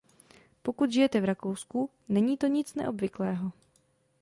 Pokud žijete v Rakousku, není to nic neobvyklého.